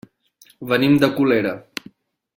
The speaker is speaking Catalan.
Venim de Colera.